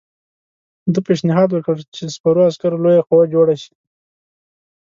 ده پېشنهاد وکړ چې سپرو عسکرو لویه قوه جوړه شي.